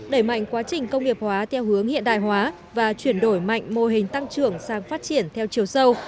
đẩy mạnh quá trình công nghiệp hóa theo hướng hiện đại hóa và chuyển đổi mạnh mô hình tăng trưởng sang phát triển theo chiều sâu